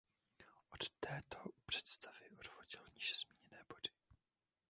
Od této představy odvodil níže zmíněné body.